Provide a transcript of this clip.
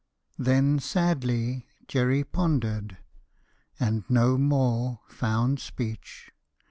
Then sadly Jerry pondered, and no more Found speech.